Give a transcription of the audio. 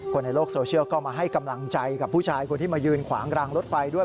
คนในโลกโซเชียลก็มาให้กำลังใจกับผู้ชายคนที่มายืนขวางรางรถไฟด้วย